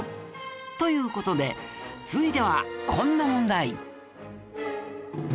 という事で続いてはこんな問題